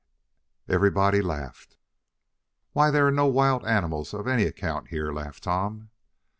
Everybody laughed. "Why, there are no wild animals of any account here," laughed Tom.